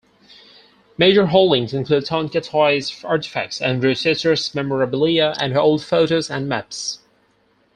Major holdings include Tonka Toys artifacts, Andrews Sisters memorabilia and old photos and maps.